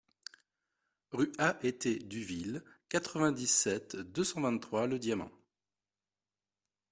Rue A et T Duville, quatre-vingt-dix-sept, deux cent vingt-trois Le Diamant